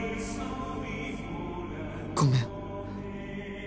ごめん。